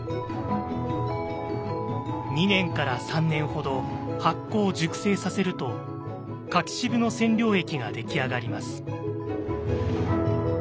２年から３年ほど発酵・熟成させると柿渋の染料液が出来上がります。